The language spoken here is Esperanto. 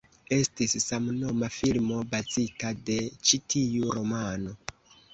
Estis samnoma filmo bazita de ĉi tiu romano.